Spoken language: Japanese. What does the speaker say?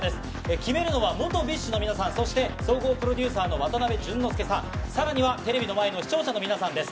決めるのは元ＢｉＳＨの皆さん、そして、総合プロデューサーの渡辺淳之介さん、さらにはテレビの前の視聴者の皆さんです。